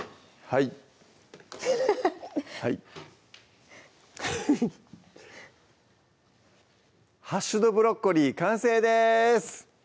はい「ハッシュドブロッコリー」完成です